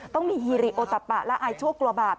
ต้องมีฮีรีโอตะปะและอายชั่วกลัวบาป